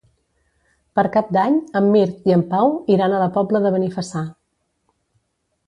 Per Cap d'Any en Mirt i en Pau iran a la Pobla de Benifassà.